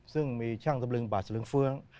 ซึ่งมีช่างเสมอลิวิงบาพสรึงเฟื้อง